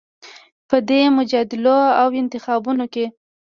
په دې مجادلو او انتخابونو کې